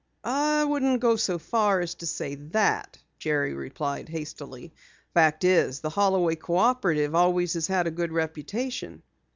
"I wouldn't go so far as to say that," Jerry replied hastily. "Fact is, the Holloway Cooperative always has had a good reputation."